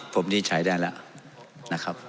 ผมนี่ใช้ได้แล้วนะครับ